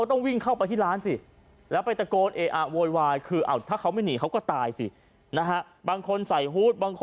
สมัยอยุธยานะแหล่ะทำไมพาพวก